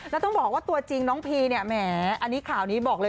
แล้วต้องบอกว่าตัวจริงน้องพีเนี่ยแหมอันนี้ข่าวนี้บอกเลย